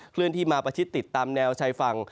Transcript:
เลื่อนที่มาประชิดติดตามแนวชายฝั่ง